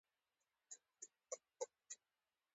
کلپنا چاوله لومړنۍ هندۍ فضانورده وه.